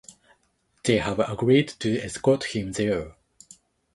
They have agreed to escort him there.